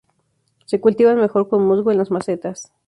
Se cultivan mejor con musgo en las macetas.